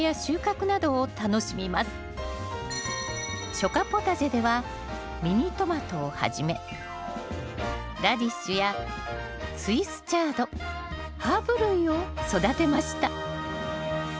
初夏ポタジェではミニトマトをはじめラディッシュやスイスチャードハーブ類を育てました